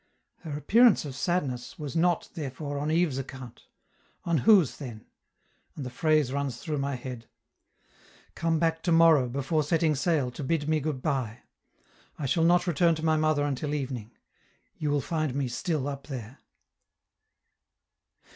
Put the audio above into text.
"Her appearance of sadness was not, therefore, on Yves's account. On whose, then?" and the phrase runs through my head: "Come back to morrow before setting sail, to bid me goodby; I shall not return to my mother until evening; you will find me still up there."